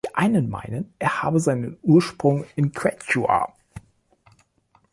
Die einen meinen, er habe seinen Ursprung im Quechua.